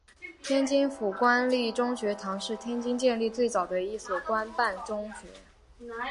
天津府官立中学堂是天津建立最早的一所官办中学。